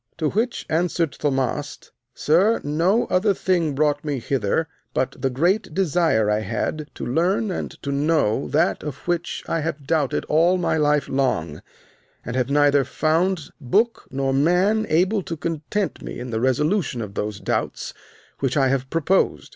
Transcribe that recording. To which answered Thaumast, Sir, no other thing brought me hither but the great desire I had to learn and to know that of which I have doubted all my life long, and have neither found book nor man able to content me in the resolution of those doubts which I have proposed.